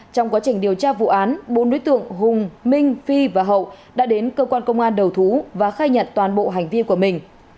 trong quá trình điều tra vụ án bốn đối tượng hùng minh phi và hậu đã đến cơ quan công an đầu thú và khai nhận toàn bộ hành vi của mình